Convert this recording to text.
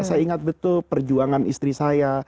saya ingat betul perjuangan istri saya